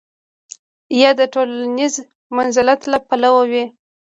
یا د ټولنیز منزلت له پلوه وي.